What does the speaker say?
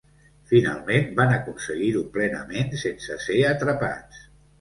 Finalment, van aconseguir-ho plenament sense ser atrapats.